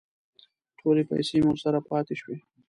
ټولې پیسې مې ورسره پاتې شوې.